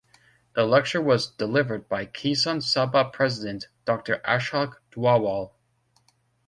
The lecture was delivered by Kisan Sabha President Dr Ashok Dhawale.